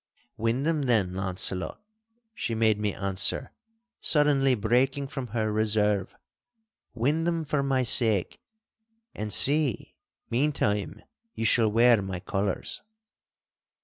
'Win them, then, Launcelot,' she made me answer, suddenly breaking from her reserve, 'win them for my sake—and see, meantime you shall wear my colours.